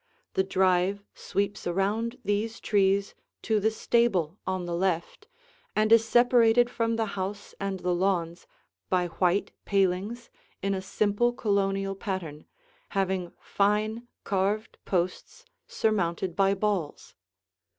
The drive sweeps around these trees to the stable on the left and is separated from the house and the lawns by white palings in a simple Colonial pattern, having fine, carved posts surmounted by balls.